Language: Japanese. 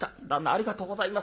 ありがとうございます。